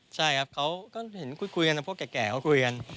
ใช่ครับเขาก็เห็นคุยกันนะพวกแก่เขาคุยกัน